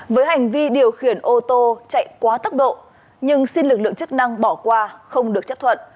với hành vi điều khiển ô tô chạy quá tốc độ nhưng xin lực lượng chức năng bỏ qua không được chấp thuận